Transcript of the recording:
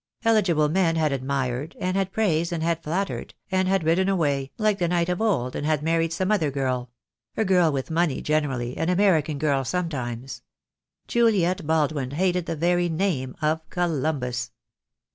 Eligible men had admired and had praised and had flattered, and had ridden away, like the knight of old, and had married some other girl; a girl with money generally, an American girl sometimes. Juliet Baldwin hated the very name of Columbus.